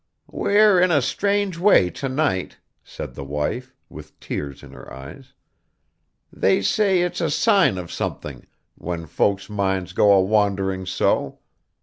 'We're in a strange way, tonight,' said the wife, with tears in her eyes. 'They say it's a sign of something, when folks' minds go a wandering so.